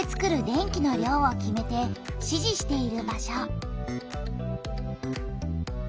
電気の量を決めて指示している場所。